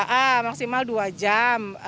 iya maksimal dua jam